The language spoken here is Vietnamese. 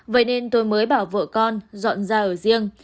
vậy nên tôi mới bảo vợ con dọn ra ở riêng